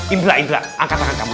ini lah ini lah angkat tangan kamu